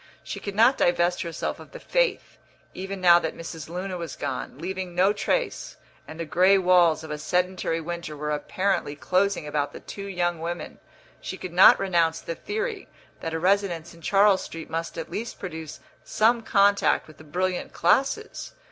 She could not divest herself of the faith even now that Mrs. Luna was gone, leaving no trace, and the grey walls of a sedentary winter were apparently closing about the two young women she could not renounce the theory that a residence in Charles Street must at least produce some contact with the brilliant classes.